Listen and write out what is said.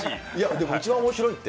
でも、一番面白いって。